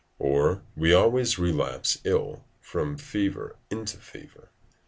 [or: we always relapse ill from fever into fever.